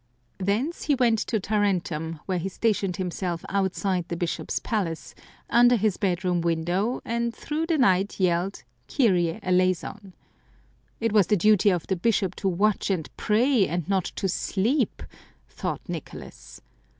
Thence he went to Tarentum, where he stationed himself outside the bishop's palace, under his bed room window, and through the night yelled, " Kyrie eleison !" It was the duty of the bishop to watch and pray, and not to sleep, thought Nicolas.